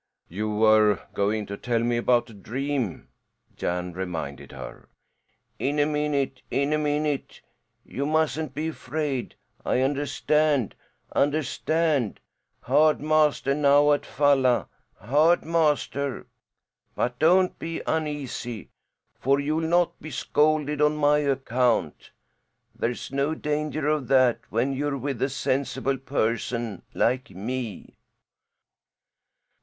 "You were going to tell me about a dream," Jan reminded her. "In a minute a minute! You mustn't be afraid. I understand understand: hard master now at Falla hard master. But don't be uneasy, for you'll not be scolded on my account. There's no danger of that when you're with a sensible person like me."